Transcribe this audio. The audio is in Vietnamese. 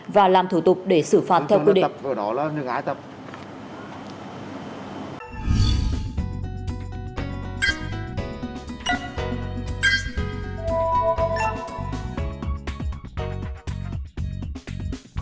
và làm thủ tục để xử phạt theo quy định